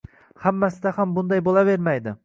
Hammasida ham bunday bo’lavermaydi